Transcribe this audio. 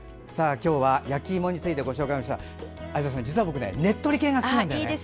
今日は焼きいもについてご紹介しましたが相沢さん、実は僕ねっとり系が好きなんです。